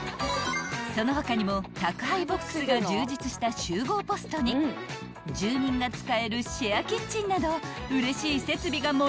［その他にも宅配ボックスが充実した集合ポストに住人が使えるシェアキッチンなどうれしい設備が盛りだくさん］